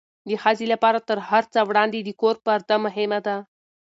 د ښځې لپاره تر هر څه وړاندې د کور پرده مهمه ده.